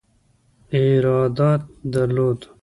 ارادت درلود.